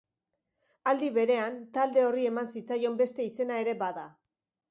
Aldi berean, talde horri eman zitzaion beste izena ere bada.